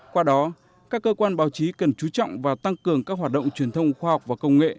qua đó các cơ quan báo chí cần chú trọng và tăng cường các hoạt động truyền thông khoa học và công nghệ